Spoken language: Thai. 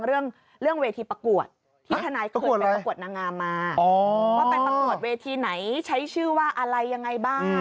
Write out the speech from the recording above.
เรื่องคดีน้ำแหงไม่ได้คุยหรืออะไร